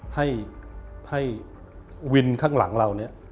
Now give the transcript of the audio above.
ให้วินข้างหลังเรา